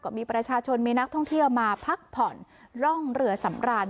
ก็มีประชาชนมีนักท่องเที่ยวมาพักผ่อนร่องเรือสำราน